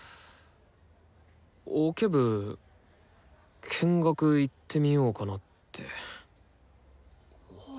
オケ部見学行ってみようかなって。